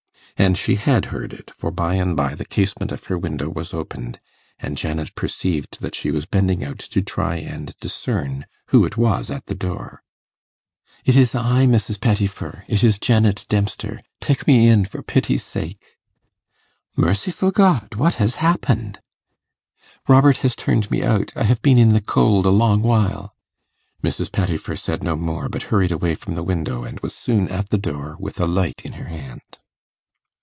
And she had heard it, for by and by the casement of her window was opened, and Janet perceived that she was bending out to try and discern who it was at the door. 'It is I, Mrs. Pettifer; it is Janet Dempster. Take me in, for pity's sake.' 'Merciful God! what has happened?' 'Robert has turned me out. I have been in the cold a long while.' Mrs. Pettifer said no more, but hurried away from the window, and was soon at the door with a light in her hand.